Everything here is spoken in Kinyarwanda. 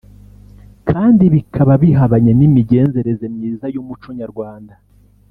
kandi bikaba bihabanye n’imigenzereze myiza y’umuco nyarwanda